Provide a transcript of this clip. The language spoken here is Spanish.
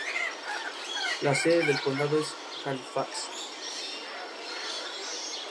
Ingeniero en control automático por la Universidad Central de Las Villas.